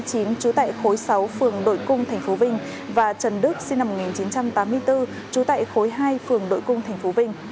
trú tại khối sáu phường đội cung tp vinh và trần đức sinh năm một nghìn chín trăm tám mươi bốn trú tại khối hai phường đội cung tp vinh